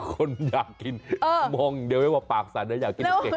คนอยากกินมองเดี๋ยวให้ว่าปากสันแล้วอยากกินเครง